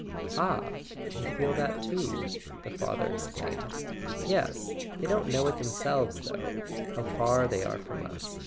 . "Ah, you feel that too?" the father exclaimed. "Yes. They don't know it themselves, though—how far they are from us.